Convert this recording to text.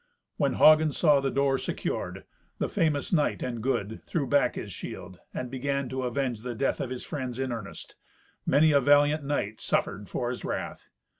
When Hagen saw the door secured, the famous knight and good threw back his shield, and began to avenge the death of his friends in earnest. Many a valiant knight suffered for his wrath.